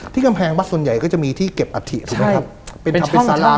ที่กำแพงบัตรส่วนใหญ่ก็จะมีที่เก็บอาถิตรูไม่ครับ